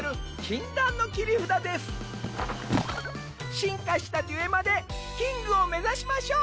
進化したデュエマでキングを目指しましょう。